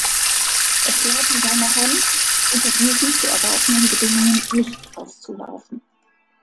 Es lag in seiner Hand, unter diesen zu erwartenden Bedingungen nicht auszulaufen.